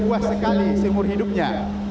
kuat sekali seumur hidupnya